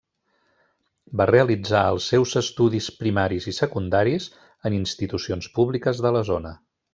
Va realitzar els seus estudis primaris i secundaris en institucions públiques de la zona.